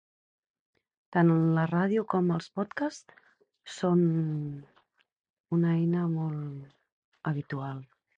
Tant la ràdio com els pòdcast són una eina molt habitual.